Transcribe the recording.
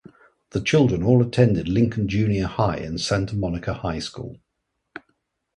The children all attended Lincoln Junior High and Santa Monica High School.